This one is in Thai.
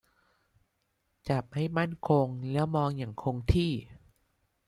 จับให้มั่นคงและมองอย่างคงที่